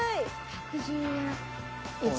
１１０円。